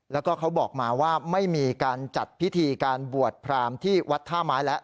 แล้วก็เขาบอกมาว่าไม่มีการจัดพิธีการบวชพรามที่วัดท่าไม้แล้ว